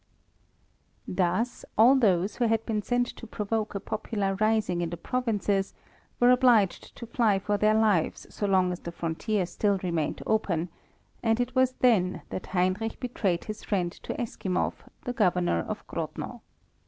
Thus all those who had been sent to provoke a popular rising in the provinces were obliged to fly for their lives so long as the frontier still remained open, and it was then that Heinrich betrayed his friend to Eskimov, the Governor of Grodno.